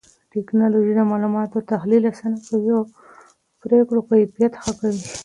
ټکنالوژي د معلوماتو تحليل آسانه کوي او پرېکړو کيفيت ښه کوي.